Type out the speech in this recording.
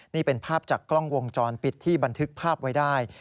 นี่เป็นภาพจากกล้องวงจรปิดที่บันทึกภาพไว้ได้